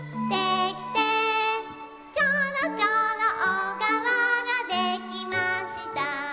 「ちょろちょろおがわができました」